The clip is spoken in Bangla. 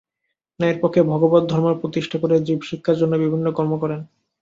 ন্যায়ের পক্ষে ভগবদ্ ধর্ম প্রতিষ্ঠা করে জীবশিক্ষার জন্য বিভিন্ন কর্ম করেন।